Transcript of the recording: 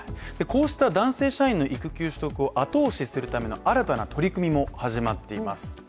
こうした男性社員の育休取得を後押しするための新たな取り組みも始まっています。